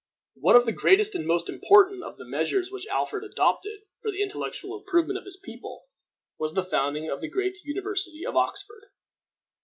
One of the greatest and most important of the measures which Alfred adopted for the intellectual improvement of his people was the founding of the great University of Oxford.